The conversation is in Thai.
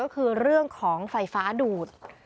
ก็คือเรื่องของไฟฟ้าดูด